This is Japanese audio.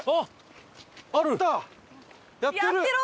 やってろ！